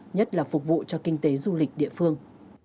nhất là phục vụ cho kinh tế du lịch địa phương